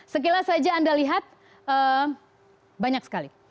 sekilas saja anda lihat banyak sekali